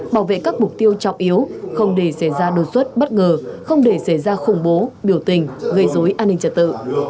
bảo vệ các mục tiêu trọng yếu không để xảy ra đột xuất bất ngờ không để xảy ra khủng bố biểu tình gây dối an ninh trật tự